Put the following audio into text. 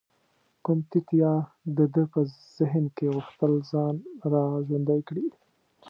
کوم تت یاد د ده په ذهن کې غوښتل ځان را ژوندی کړي.